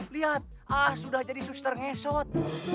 lihat ah sudah jadi suster ngesot